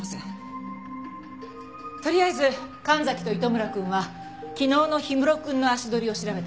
とりあえず神崎と糸村くんは昨日の氷室くんの足取りを調べて。